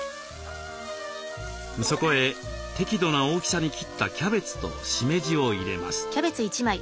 そこへ適度な大きさに切ったキャベツとしめじを入れます。